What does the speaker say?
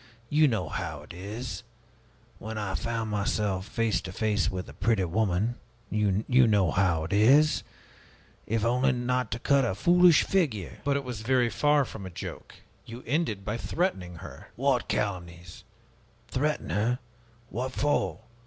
You know how it is when I found myself face to face with a pretty woman you know how it is if only not to cut a foolish figure!" "But it was very far from a joke! You ended by threatening her!" "What calumnies! Threaten her? What for?